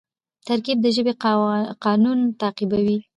ترکیب د ژبي قانون تعقیبوي.